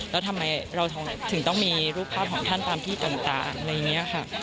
แล้วทำไมเราถึงต้องมีรูปภาพของท่านตามที่ต่างอะไรอย่างนี้ค่ะ